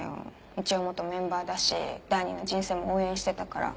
一応元メンバーだし第二の人生も応援してたから。